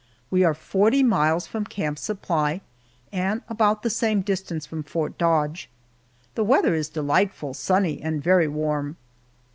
We are forty miles from Camp Supply and about the same distance from Fort Dodge. The weather is delightful sunny and very warm.